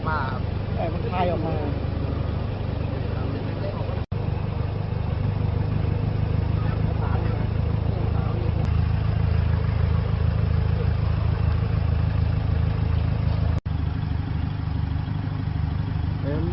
หอยเพิ่งกินหอยมาหอยเต็มเลย